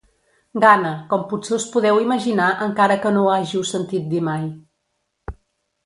Gana, com potser us podeu imaginar encara que no ho hàgiu sentit dir mai.